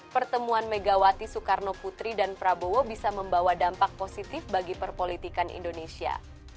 pertemuan megawati soekarno putri dan prabowo bisa membawa dampak positif bagi perpolitikan indonesia